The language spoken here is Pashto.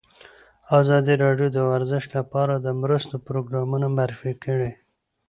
ازادي راډیو د ورزش لپاره د مرستو پروګرامونه معرفي کړي.